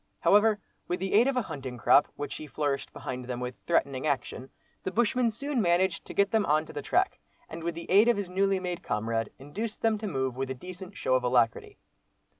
However, with the aid of a hunting crop, which he flourished behind them, with threatening action, the bushman soon managed to get them on to the track, and with the aid of his newly made comrade induced them to move with a decent show of alacrity.